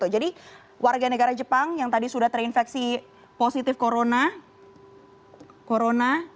jadi warga negara jepang yang tadi sudah terinfeksi positif corona